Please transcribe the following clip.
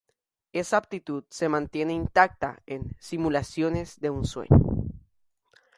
Esa aptitud se mantiene intacta en 'Simulaciones de un sueño'.